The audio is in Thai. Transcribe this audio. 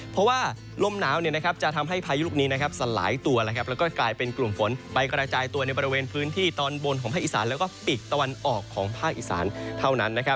เพราะว่าลมหนาวจะทำให้พายุลูกนี้สลายตัวแล้วก็กลายเป็นกลุ่มฝนไปกระจายตัวในบริเวณพื้นที่ตอนบนของภาคอีสานแล้วก็ปีกตะวันออกของภาคอีสานเท่านั้น